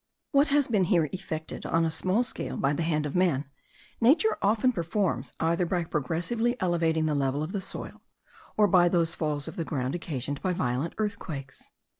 What has been here effected on a small scale by the hand of man, nature often performs, either by progressively elevating the level of the soil, or by those falls of the ground occasioned by violent earthquakes.